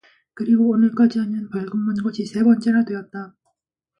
그리고 오늘까지 하면 벌금 문 것이 세 번째나 되었다.